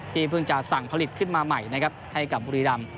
เพิ่งจะสั่งผลิตขึ้นมาใหม่นะครับให้กับบุรีรำ